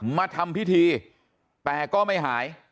มาทำพิธีแต่ก็ไม่หาย